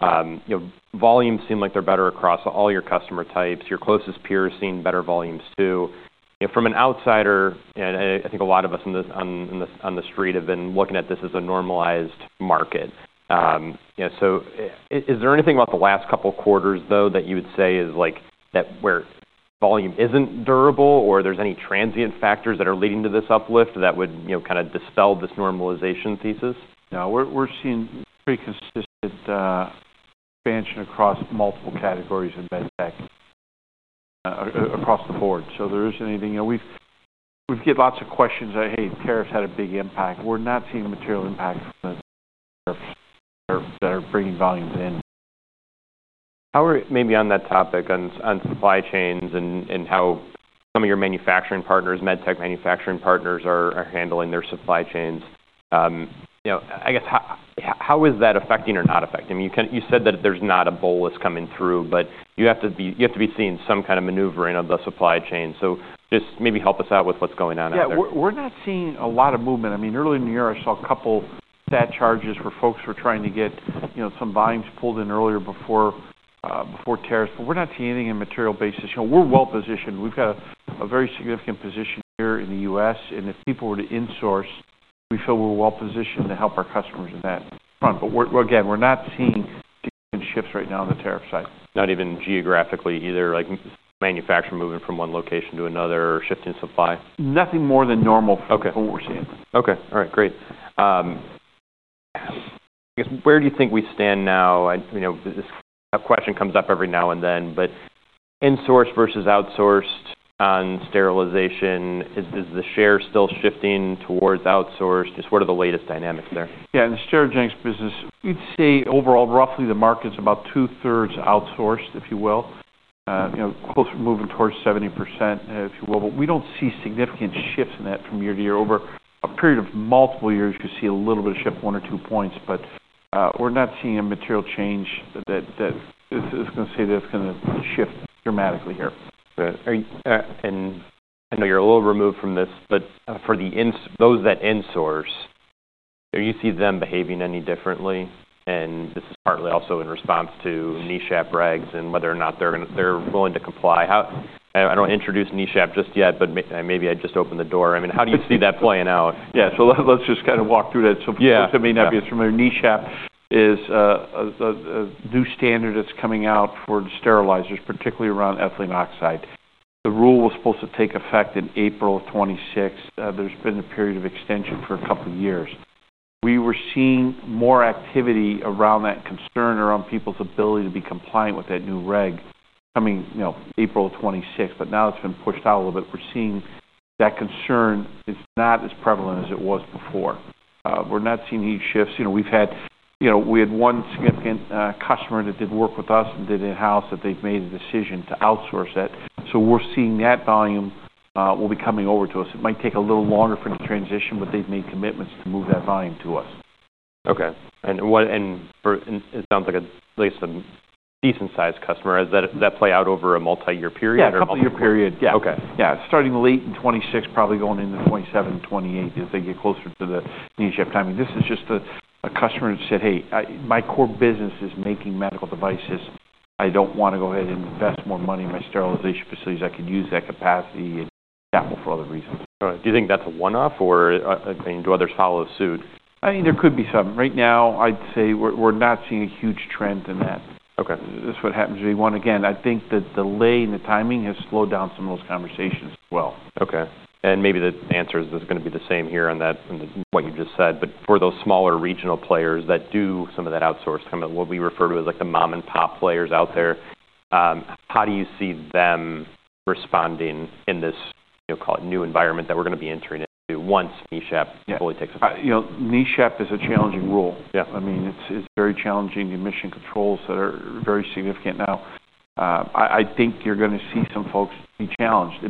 You know, volumes seem like they're better across all your customer types. Your closest peers seeing better volumes too. You know, from an outsider, and I think a lot of us in this on the street have been looking at this as a normalized market. You know, so is there anything about the last couple quarters though that you would say is like that where volume isn't durable or there's any transient factors that are leading to this uplift that would, you know, kind of dispel this normalization thesis? No, we're seeing pretty consistent expansion across multiple categories of med tech across the board. So there isn't anything, you know. We've got lots of questions that, hey, tariffs had a big impact. We're not seeing material impact from the tariffs that are bringing volumes in. How about maybe on that topic on supply chains and how some of your manufacturing partners, med tech manufacturing partners, are handling their supply chains? You know, I guess, how is that affecting or not affecting? I mean, you kind of said that there's not a bolus coming through, but you have to be seeing some kind of maneuvering of the supply chain. So just maybe help us out with what's going on out there. Yeah, we're not seeing a lot of movement. I mean, early in the year, I saw a couple stat charges where folks were trying to get, you know, some volumes pulled in earlier before tariffs. But we're not seeing anything on a material basis. You know, we're well-positioned. We've got a very significant position here in the U.S. And if people were to insource, we feel we're well-positioned to help our customers in that front. But we're again not seeing significant shifts right now on the tariff side. Not even geographically either, like manufacturer moving from one location to another or shifting supply? Nothing more than normal. From what we're seeing. Okay. All right. Great. I guess, where do you think we stand now? I, you know, this question comes up every now and then, but insource versus outsourced on sterilization, is the share still shifting towards outsourced? Just what are the latest dynamics there? Yeah, in the Sterigenics business, you'd say overall, roughly, the market's about two-thirds outsourced, if you will. You know, close to moving towards 70%, if you will. But we don't see significant shifts in that from year to year. Over a period of multiple years, you see a little bit of shift, one or two points. But, we're not seeing a material change that is going to say that it's going to shift dramatically here. Good. Are you, and I know you're a little removed from this, but for the ones those that insource, do you see them behaving any differently? And this is partly also in response to NSHAP regs and whether or not they're going to, they're willing to comply. I don't introduce NSHAP just yet, but maybe I just opened the door. I mean, how do you see that playing out? Yeah. So let's just kind of walk through that. So if it may not be as familiar, NSHAP is a new standard that's coming out for the sterilizers, particularly around ethylene oxide. The rule was supposed to take effect in April of 2026. There's been a period of extension for a couple years. We were seeing more activity around that concern around people's ability to be compliant with that new reg coming, you know, April of 2026. But now it's been pushed out a little bit. We're seeing that concern is not as prevalent as it was before. We're not seeing any shifts. You know, we've had, you know, we had one significant customer that did work with us and did in-house that they've made a decision to outsource that. So we're seeing that volume will be coming over to us. It might take a little longer for the transition, but they've made commitments to move that volume to us. Okay. And it sounds like, at least, a decent-sized customer. Does that play out over a multi-year period or multi-year? Yeah, a couple-year period. Yeah. Starting late in 2026, probably going into 2027, 2028 as they get closer to the NSHAP timing. This is just a customer that said, "Hey, my core business is making medical devices. I don't want to go ahead and invest more money in my sterilization facilities. I could use that capacity and tap for other reasons. All right. Do you think that's a one-off or, I mean, do others follow suit? I mean, there could be some. Right now, I'd say we're not seeing a huge trend in that. That's what happens. You want again, I think that the lag and the timing has slowed down some of those conversations as well. Okay. And maybe the answer is this is going to be the same here on that and the what you just said. But for those smaller regional players that do some of that outsourced kind of what we refer to as like the mom-and-pop players out there, how do you see them responding in this, you know, call it new environment that we're going to be entering into once NSHAP fully takes effect? You know, NSHAP is a challenging rule. I mean, it's very challenging. The emission controls that are very significant now. I think you're going to see some folks be challenged.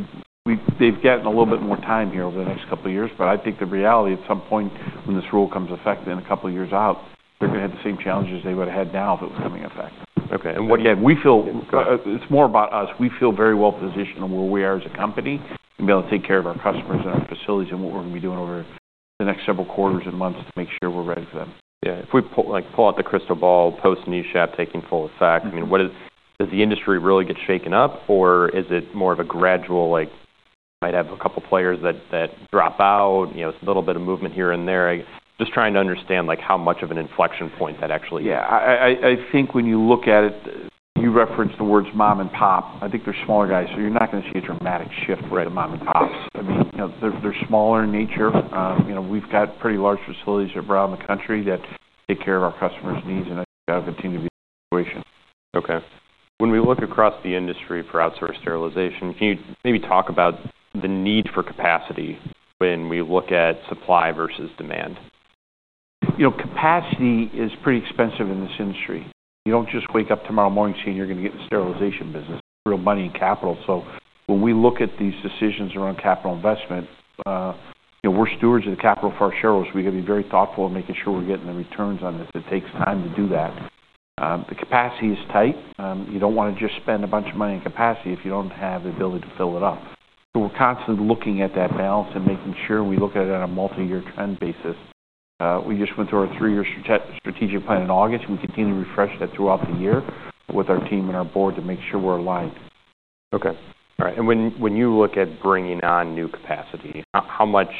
They've gotten a little bit more time here over the next couple years. But I think the reality, at some point, when this rule comes into effect a couple years out, they're going to have the same challenges they would've had now if it was coming into effect. Okay. And what? Again, we feel it's more about us. We feel very well-positioned on where we are as a company and be able to take care of our customers and our facilities and what we're going to be doing over the next several quarters and months to make sure we're ready for them. Yeah. If we pull, like, pull out the crystal ball post-NSHAP taking full effect, I mean, what does the industry really get shaken up or is it more of a gradual, like, you might have a couple players that drop out? You know, it's a little bit of movement here and there. I just trying to understand, like, how much of an inflection point that actually are? Yeah. I think when you look at it, you referenced the words mom-and-pop. I think they're smaller guys. So you're not going to see a dramatic shift with the mom-and-pops. I mean, you know, they're smaller in nature. You know, we've got pretty large facilities around the country that take care of our customers' needs. And I think that'll continue to be the situation. Okay. When we look across the industry for outsourced sterilization, can you maybe talk about the need for capacity when we look at supply versus demand? You know, capacity is pretty expensive in this industry. You don't just wake up tomorrow morning saying you're going to get the sterilization business. That's real money and capital. So when we look at these decisions around capital investment, you know, we're stewards of the capital for our shareholders. We got to be very thoughtful in making sure we're getting the returns on it. It takes time to do that. The capacity is tight. You don't wanna just spend a bunch of money on capacity if you don't have the ability to fill it up. So we're constantly looking at that balance and making sure we look at it on a multi-year trend basis. We just went through our three-year strategic plan in August. We continue to refresh that throughout the year with our team and our board to make sure we're aligned. Okay. All right. When you look at bringing on new capacity, how much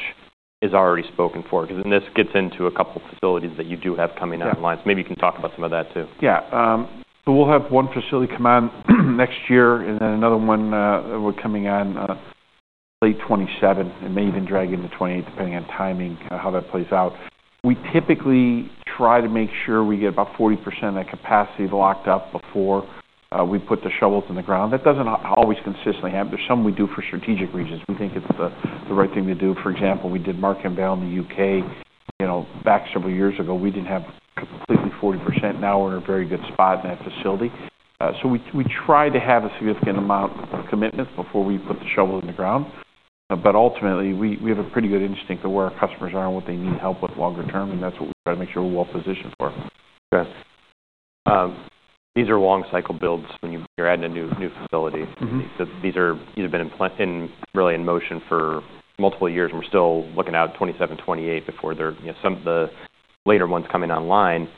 is already spoken for? Because then this gets into a couple facilities that you do have coming online. So maybe you can talk about some of that too. Yeah. So we'll have one facility come on next year and then another one, that we're coming on, late 2027. It may even drag into 2028 depending on timing, how that plays out. We typically try to make sure we get about 40% of that capacity locked up before we put the shovels in the ground. That doesn't always consistently happen. There's some we do for strategic reasons. We think it's the right thing to do. For example, we did Markham Vale in the U.K., you know, back several years ago. We didn't have completely 40%. Now we're in a very good spot in that facility. So we try to have a significant amount of commitment before we put the shovel in the ground. But ultimately, we have a pretty good instinct of where our customers are and what they need help with longer term. And that's what we try to make sure we're well-positioned for. Okay. These are long-cycle builds when you're adding a new facility. These are, you know, been in place and really in motion for multiple years, and we're still looking out 2027, 2028 before they're, you know, some of the later ones coming online.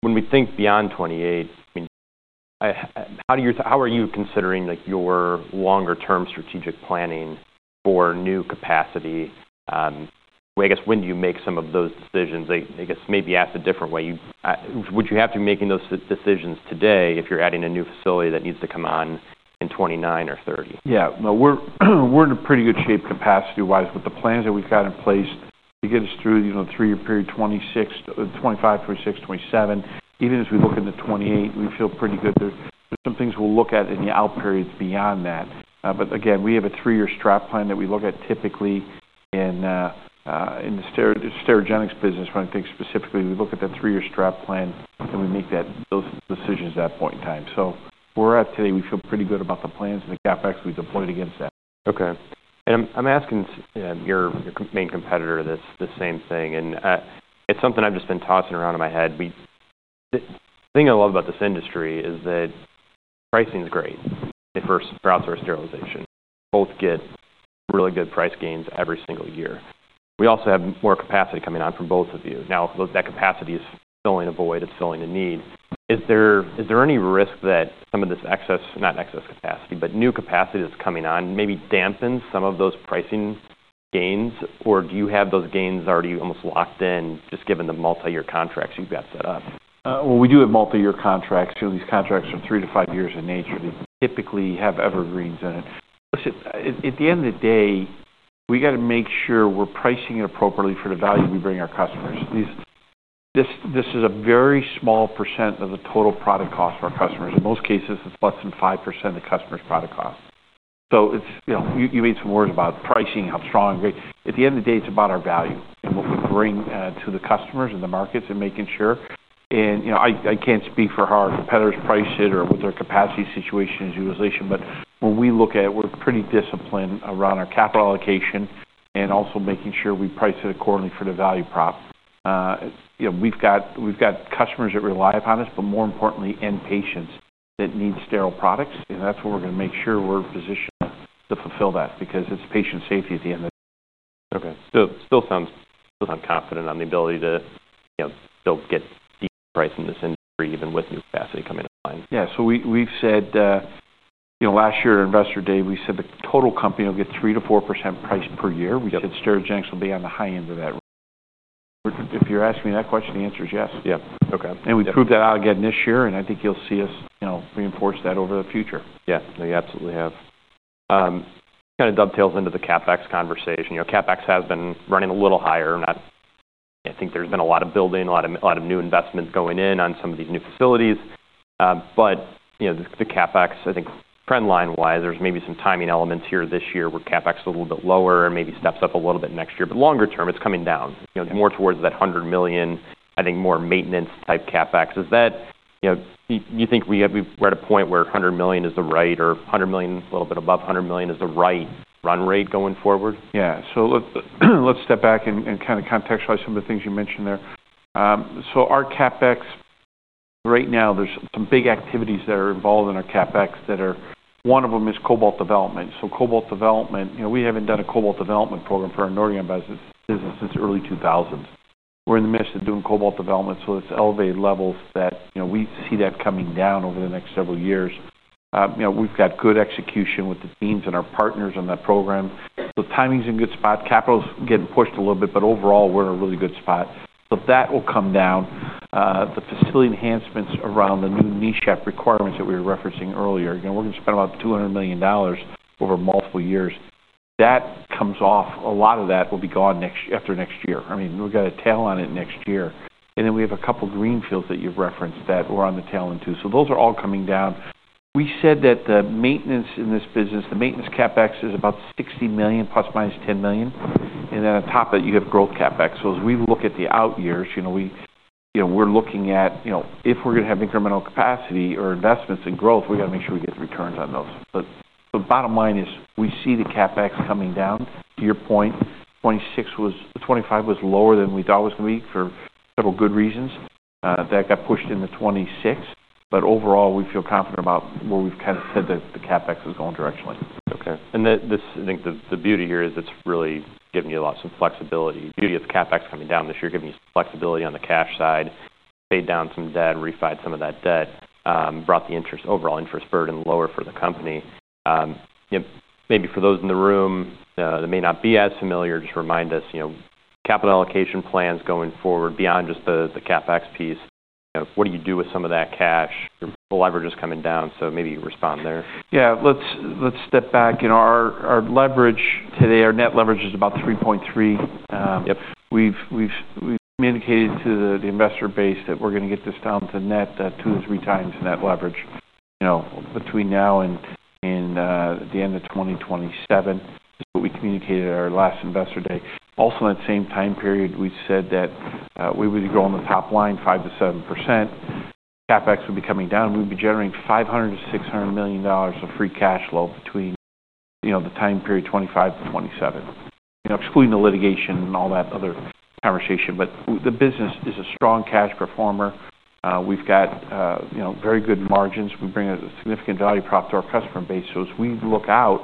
When we think beyond 2028, I mean, how are you considering, like, your longer-term strategic planning for new capacity? I guess, when do you make some of those decisions? I guess, maybe ask a different way. Would you have to be making those decisions today if you're adding a new facility that needs to come on in 2029 or 2030? Yeah. No, we're in a pretty good shape capacity-wise with the plans that we've got in place. We get us through, you know, the three-year period 2025, 2026, 2027. Even as we look into 2028, we feel pretty good. There's some things we'll look at in the out periods beyond that. But again, we have a three-year strat plan that we look at typically in the Sterigenics business. When I think specifically, we look at that three-year strat plan and we make those decisions at that point in time. So where we're at today, we feel pretty good about the plans and the CapEx we deployed against that. Okay. And I'm asking your main competitor this same thing. And it's something I've just been tossing around in my head. The thing I love about this industry is that pricing's great for outsourced sterilization. Both get really good price gains every single year. We also have more capacity coming on from both of you. Now, though, that capacity is filling a void. It's filling a need. Is there any risk that some of this excess, not excess capacity, but new capacity that's coming on maybe dampens some of those pricing gains? Or do you have those gains already almost locked in just given the multi-year contracts you've got set up? Well, we do have multi-year contracts. You know, these contracts are three to five years in nature. They typically have evergreens in it. Listen, at the end of the day, we got to make sure we're pricing it appropriately for the value we bring our customers. This is a very small percent of the total product cost for our customers. In most cases, it's less than 5% of the customer's product cost. So it's, you know, you made some words about pricing, how strong, great. At the end of the day, it's about our value and what we bring to the customers and the markets and making sure. And you know, I can't speak for how our competitors price it or what their capacity situation is, utilization. But when we look at it, we're pretty disciplined around our capital allocation and also making sure we price it accordingly for the value prop. You know, we've got customers that rely upon us, but more importantly, end patients that need sterile products. And that's where we're going to make sure we're positioned to fulfill that because it's patient safety at the end of the day. Okay, so still sounds confident on the ability to, you know, still get decent price in this industry even with new capacity coming online. Yeah. So we, we've said, you know, last year at Investor Day, we said the total company will get 3%-4% price per year. We said Sterigenics will be on the high end of that. If you're asking me that question, the answer's yes. We proved that out again this year. I think you'll see us, you know, reinforce that over the future. Yeah. No, you absolutely have. This kind of dovetails into the CapEx conversation. You know, CapEx has been running a little higher. No, I think there's been a lot of building, a lot of new investments going in on some of these new facilities. But, you know, the CapEx, I think trend line-wise, there's maybe some timing elements here this year where CapEx is a little bit lower and maybe steps up a little bit next year. But longer term, it's coming down, you know, more towards that $100 million, I think more maintenance-type CapEx. Is that, you know, you think we're at a point where $100 million is the right or $100 million, a little bit above $100 million is the right run rate going forward? Yeah. So let's step back and kind of contextualize some of the things you mentioned there. So our CapEx right now, there's some big activities that are involved in our CapEx that are one of them is cobalt development. So cobalt development, you know, we haven't done a cobalt development program for our Nordion business since early 2000s. We're in the midst of doing cobalt development. So it's elevated levels that, you know, we see that coming down over the next several years. You know, we've got good execution with the teams and our partners on that program. So timing's in good spot. Capital's getting pushed a little bit. But overall, we're in a really good spot. So that will come down. The facility enhancements around the new NSHAP requirements that we were referencing earlier, you know, we're going to spend about $200 million over multiple years. That comes off. A lot of that will be gone next after next year. I mean, we've got a tail on it next year. And then we have a couple greenfields that you've referenced that we're on the tail end too. So those are all coming down. We said that the maintenance in this business, the maintenance CapEx is about $60 million ± $10 million. And then on top of it, you have growth CapEx. So as we look at the out years, you know, we, you know, we're looking at, you know, if we're going to have incremental capacity or investments and growth, we got to make sure we get returns on those. But the bottom line is we see the CapEx coming down. To your point, 2026 was 2025 was lower than we thought it was going to be for several good reasons. That got pushed into 2026. But overall, we feel confident about where we've kind of said that the CapEx is going directionally. Okay, and this I think the beauty here is it's really giving you lots of flexibility. Beauty of the CapEx coming down this year, giving you some flexibility on the cash side, paid down some debt, refinanced some of that debt, brought the overall interest burden lower for the company. You know, maybe for those in the room, that may not be as familiar, just remind us, you know, capital allocation plans going forward beyond just the CapEx piece. You know, what do you do with some of that cash? Your leverage is coming down, so maybe you respond there. Yeah. Let's step back. You know, our leverage today, our net leverage is about 3.3. We've communicated to the investor base that we're going to get this down to net two to three times net leverage, you know, between now and the end of 2027 is what we communicated at our last investor day. Also, in that same time period, we said that we would grow on the top line 5%-7%. CapEx would be coming down. We'd be generating $500-$600 million of free cash flow between, you know, the time period 2025 to 2027, you know, excluding the litigation and all that other conversation. But the business is a strong cash performer. We've got, you know, very good margins. We bring a significant value prop to our customer base. So as we look out,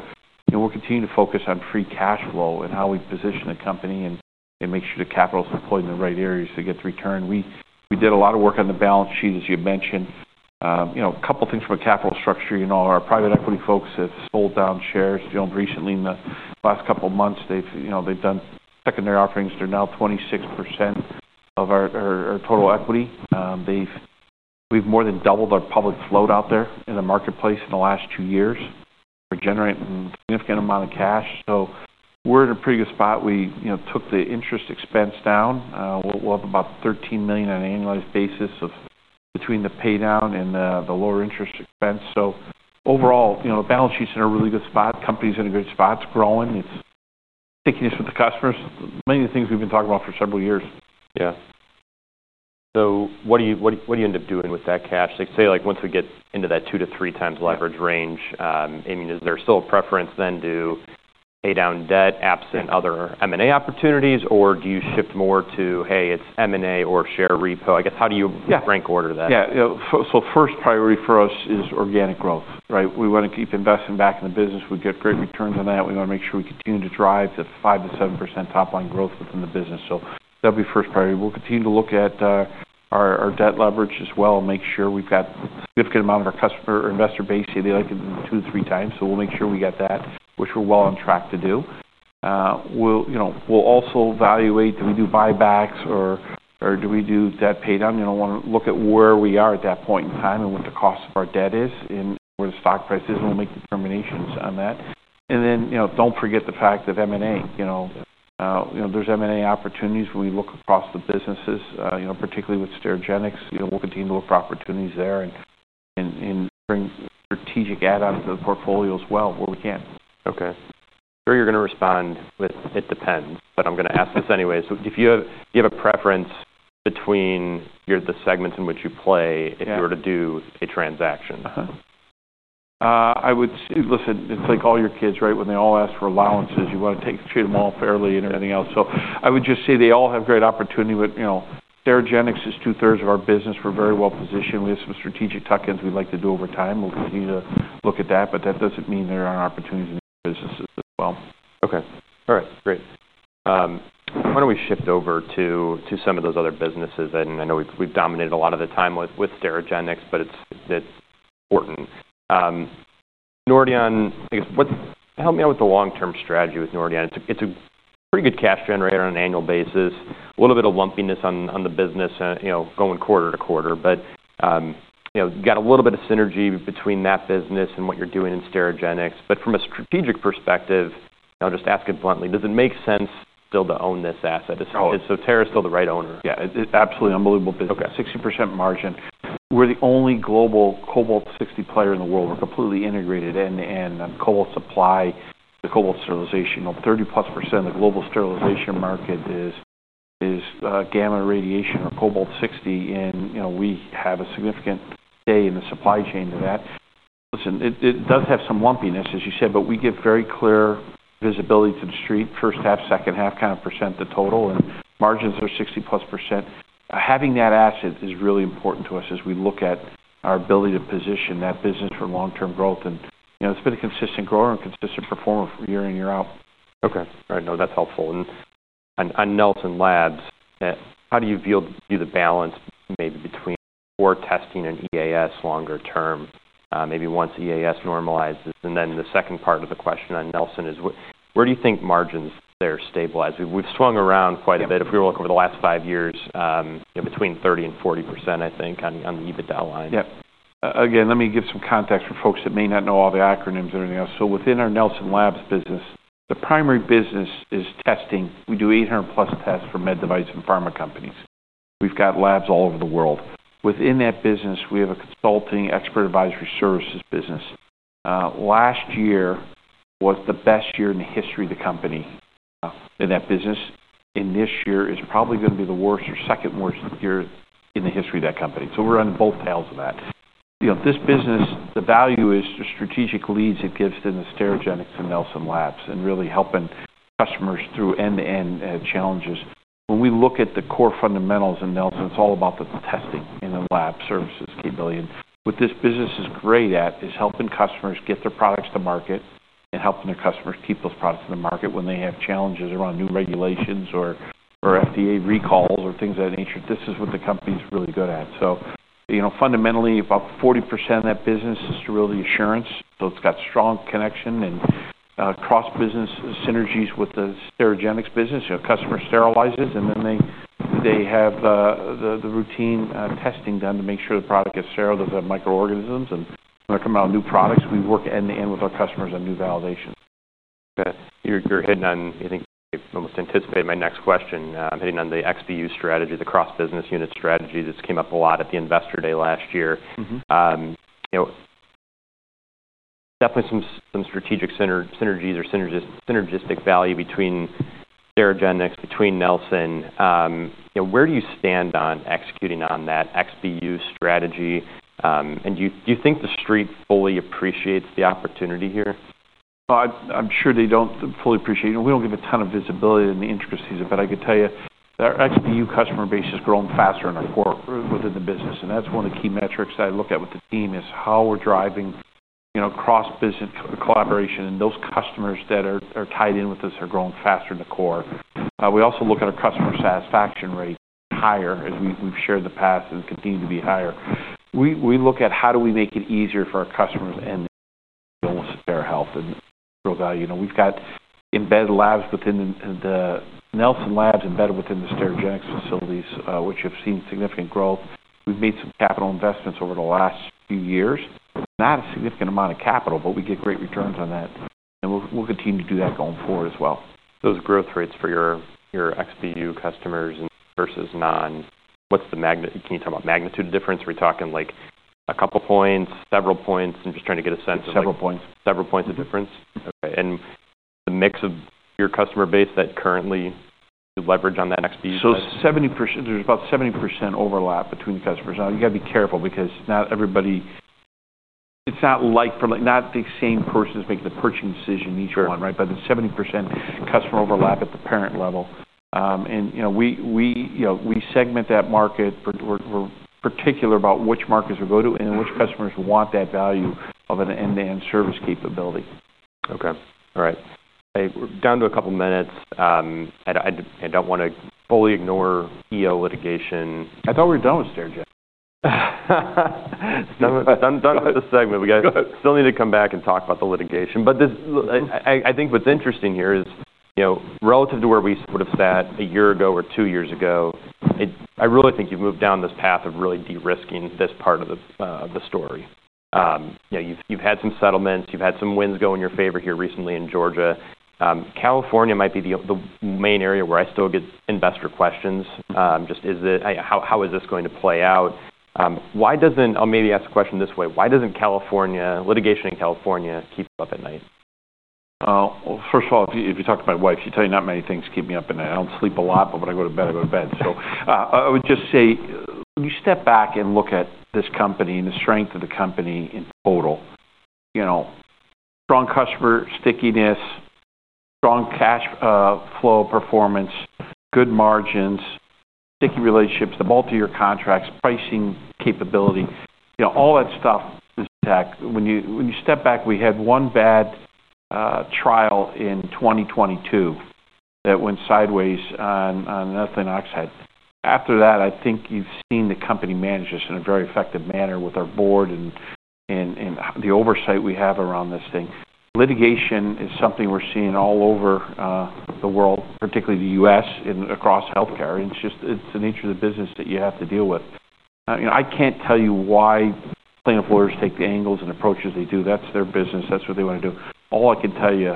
you know, we're continuing to focus on free cash flow and how we position the company and make sure the capital's deployed in the right areas to get the return. We did a lot of work on the balance sheet, as you mentioned. You know, a couple things from a capital structure. You know, our private equity folks have sold down shares. You know, recently in the last couple months, they've, you know, they've done secondary offerings. They're now 26% of our total equity. We've more than doubled our public float out there in the marketplace in the last two years. We're generating a significant amount of cash. So we're in a pretty good spot. We, you know, took the interest expense down. We'll have about $13 million on an annualized basis of between the paydown and the lower interest expense. So overall, you know, the balance sheets are in a really good spot. Company's in a good spot. It's growing. Its stickiness with the customers. Many of the things we've been talking about for several years. Yeah. So, what do you end up doing with that cash? Like, say, once we get into that two to three times leverage range, I mean, is there still a preference then to pay down debt absent other M&A opportunities? Or do you shift more to, "Hey, it's M&A or share repo"? I guess, how do you. Rank order that? Yeah. You know, so first priority for us is organic growth, right? We wanna keep investing back in the business. We get great returns on that. We wanna make sure we continue to drive the 5%-7% top line growth within the business, so that'll be first priority. We'll continue to look at our debt leverage as well and make sure we've got a significant amount of our customer or investor base say they like it in two to three times, so we'll make sure we got that, which we're well on track to do. You know, we'll also evaluate, do we do buybacks or do we do debt pay down. You know, wanna look at where we are at that point in time and what the cost of our debt is and where the stock price is, and we'll make determinations on that. And then, you know, don't forget the fact of M&A. You know, there's M&A opportunities when we look across the businesses, you know, particularly with Sterigenics. You know, we'll continue to look for opportunities there and bring strategic add-ons to the portfolio as well where we can. Okay. You're going to respond with, "It depends." But I'm going to ask this anyway. If you have a preference between the segments in which you play if you were to do a transaction. I would say listen, it's like all your kids, right? When they all ask for allowances, you wanna treat them all fairly and everything else. So I would just say they all have great opportunity. But, you know, Sterigenics is two-thirds of our business. We're very well positioned. We have some strategic tuck-ins we'd like to do over time. We'll continue to look at that. But that doesn't mean there aren't opportunities in other businesses as well. Okay. All right. Great. Why don't we shift over to, to some of those other businesses? And I know we've, we've dominated a lot of the time with, with Sterigenics, but it's that important. Nordion, I guess, what's help me out with the long-term strategy with Nordion. It's a it's a pretty good cash generator on an annual basis. A little bit of lumpiness on, on the business, you know, going quarter to quarter. But, you know, you got a little bit of synergy between that business and what you're doing in Sterigenics. But from a strategic perspective, you know, just ask it bluntly, does it make sense still to own this asset? Is Sotera still the right owner? Yeah. It's absolutely unbelievable business, 60% margin. We're the only global Cobalt-60 player in the world. We're completely integrated end-to-end on Cobalt-60 supply, the Cobalt-60 sterilization. Over 30%+ of the global sterilization market is gamma radiation or Cobalt-60. And, you know, we have a significant stake in the supply chain to that. Listen, it does have some lumpiness, as you said. But we give very clear visibility to the street, first half, second half, kind of percent the total. And margins are 60%+. Having that asset is really important to us as we look at our ability to position that business for long-term growth. And, you know, it's been a consistent grower and consistent performer year in, year out. Okay. All right. No, that's helpful. And on Nelson Labs, how do you view the balance maybe between core testing and EAS longer term, maybe once EAS normalizes? And then the second part of the question on Nelson is, where do you think margins there stabilize? We've swung around quite a bit. If we look over the last five years, you know, between 30% and 40%, I think, on the EBITDA line. Yeah. Again, let me give some context for folks that may not know all the acronyms and everything else. So within our Nelson Labs business, the primary business is testing. We do 800+ tests for med device and pharma companies. We've got labs all over the world. Within that business, we have a consulting expert advisory services business. Last year was the best year in the history of the company, in that business. And this year is probably going to be the worst or second worst year in the history of that company. So we're on both tails of that. You know, this business, the value is the strategic leads it gives to the Sterigenics and Nelson Labs and really helping customers through end-to-end, challenges. When we look at the core fundamentals in Nelson, it's all about the testing and the lab services capability. What this business is great at is helping customers get their products to market and helping their customers keep those products in the market when they have challenges around new regulations or FDA recalls or things of that nature. This is what the company's really good at. You know, fundamentally, about 40% of that business is sterility assurance. It's got strong connection and cross-business synergies with the Sterigenics business. You know, customer sterilizes, and then they have the routine testing done to make sure the product gets sterile to the microorganisms and, you know, come out new products. We work end-to-end with our customers on new validation. Okay. You're hitting on, I think, I almost anticipated my next question, hitting on the XBU strategies, the cross-business unit strategy. This came up a lot at the Investor Day last year. You know, definitely some strategic synergies or synergistic value between Sterigenics, between Nelson. You know, where do you stand on executing on that XBU strategy? And do you think the street fully appreciates the opportunity here? Well, I'm sure they don't fully appreciate. You know, we don't give a ton of visibility in the intricacies. But I could tell you our XBU customer base is growing faster in our core within the business. And that's one of the key metrics I look at with the team is how we're driving, you know, cross-business collaboration. And those customers that are tied in with us are growing faster in the core. We also look at our customer satisfaction rate higher as we've shared in the past and continue to be higher. We look at how do we make it easier for our customers and deal with their health and real value. You know, we've got embedded labs within the Nelson Labs embedded within the Sterigenics facilities, which have seen significant growth. We've made some capital investments over the last few years. Not a significant amount of capital, but we get great returns on that, and we'll continue to do that going forward as well. Those growth rates for your XBU customers versus non, what's the magnitude? Can you talk about magnitude difference? Are we talking like a couple points, several points? I'm just trying to get a sense of. Several points. Several points of difference? Okay. And the mix of your customer base that currently you leverage on that XBU? So, 70%. There's about 70% overlap between the customers. Now, you got to be careful because not everybody, it's not like for not the same person's making the purchasing decision each one, right? But it's 70% customer overlap at the parent level. And, you know, we segment that market. We're particular about which markets we go to and which customers want that value of an end-to-end service capability. Okay. All right. Hey, we're down to a couple minutes. I don't wanna fully ignore EO litigation. I thought we were done with Sterigenics. Done, done, done with the segment. We got to still need to come back and talk about the litigation. But this, I think what's interesting here is, you know, relative to where we would've sat a year ago or two years ago. It, I really think you've moved down this path of really de-risking this part of the story. You know, you've had some settlements. You've had some wins go in your favor here recently in Georgia. California might be the main area where I still get investor questions. Just, is it how, how is this going to play out? Why doesn't—I'll maybe ask the question this way. Why doesn't California litigation in California keep you up at night? Well, first of all, if you talk to my wife, she's telling you not many things to keep me up at night. I don't sleep a lot. But when I go to bed, I go to bed. So, I would just say, you step back and look at this company and the strength of the company in total. You know, strong customer stickiness, strong cash flow performance, good margins, sticky relationships, the multi-year contracts, pricing capability. You know, all that stuff is intact. When you step back, we had one bad trial in 2022 that went sideways on ethylene oxide. After that, I think you've seen the company manage this in a very effective manner with our board and the oversight we have around this thing. Litigation is something we're seeing all over the world, particularly the U.S. and across healthcare. And it's just the nature of the business that you have to deal with. You know, I can't tell you why plaintiff lawyers take the angles and approaches they do. That's their business. That's what they wanna do. All I can tell you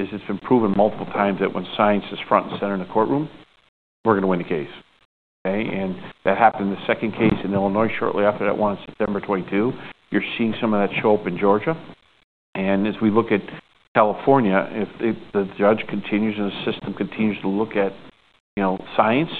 is it's been proven multiple times that when science is front and center in the courtroom, we're going to win the case. Okay? And that happened in the second case in Illinois shortly after that one in September 2022. You're seeing some of that show up in Georgia. And as we look at California, if the judge continues and the system continues to look at, you know, science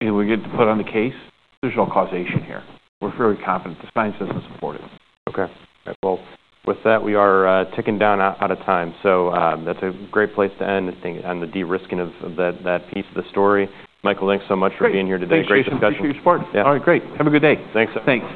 and we get to put on the case, there's no causation here. We're fairly confident the science doesn't support it. Okay. All right. Well, with that, we are ticking down out of time. So, that's a great place to end this thing on the de-risking of that piece of the story. Michael, thanks so much for being here today. Thanks. Appreciate your support. Yeah. All right. Great. Have a good day. Thanks. Thanks.